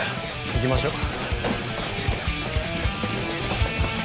行きましょう。